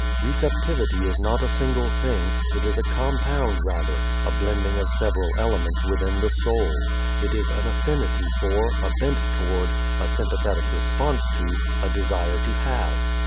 Receptivity is not a single thing; it is a compound rather, a blending of several elements within the soul. It is an affinity for, a bent toward, a sympathetic response to, a desire to have.